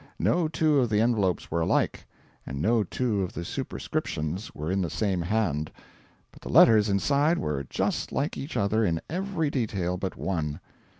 No two of the envelopes were alike, and no two of the superscriptions were in the same hand, but the letters inside were just like each other in every detail but one.